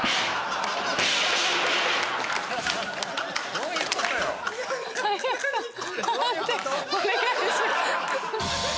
どういうこと？